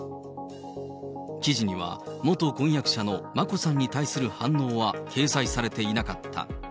記事には元婚約者の眞子さんに対する反応は掲載されていなかった。